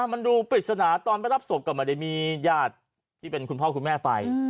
มันดูปริศนาตอนไปรับศพก็ไม่ได้มีญาติที่เป็นคุณพ่อคุณแม่ไป